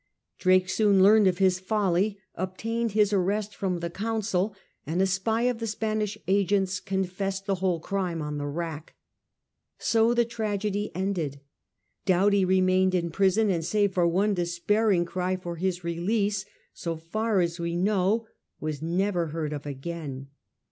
Drake soon heard of his folly, obtained his arrest from the Council, and a spy of the Spanish agent's confessed the whole crime on the rack. So the tragedy ended. Doughty remained in prison, and save for one despairing cry for his release, so far as we know, was never heard of again.